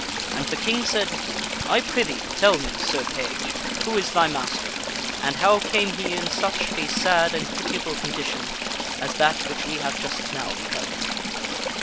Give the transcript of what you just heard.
And the King said, " I prithee tell me, Sir Page, who is thy master, and how came he in such a sad and pitiable condition as that which we have just now beheld."